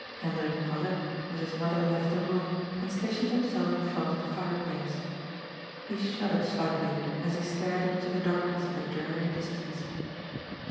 Hendrik got up, as his mother left the room, and sta tioned himself in front of the fireplace. He shuddered slightly as he stared into the darkness of the dreary dis tance.